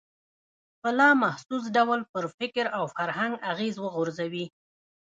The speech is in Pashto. په لا محسوس ډول پر فکر او فرهنګ اغېز وغورځوي.